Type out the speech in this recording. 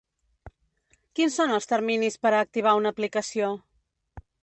Quin són els terminis per a activar una aplicació?